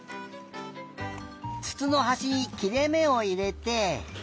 つつのはしにきれめをいれて。